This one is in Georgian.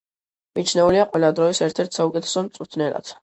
მიჩნეულია ყველა დროის ერთ-ერთ საუკეთესო მწვრთნელად.